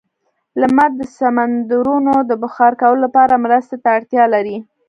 لمر د سمندرونو د بخار کولو لپاره مرستې ته اړتیا لري.